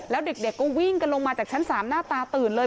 แล้วเด็กก็วิ่งกันลงมาจากชั้น๓หน้าตาตื่นเลย